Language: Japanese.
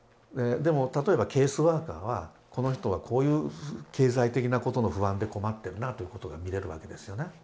でも例えばケースワーカーはこの人はこういう経済的なことの不安で困ってるなということが見れるわけですよね。